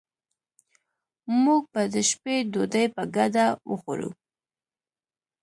موږ به د شپې ډوډي په ګډه وخورو